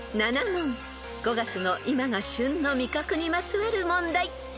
［５月の今が旬の味覚にまつわる問題］